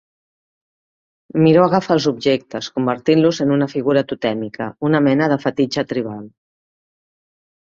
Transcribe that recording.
Miró agafa els objectes, convertint-los en una figura totèmica, una mena de fetitxe tribal.